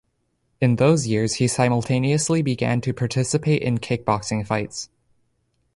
In those years he simultaneously began to participate in kickboxing fights.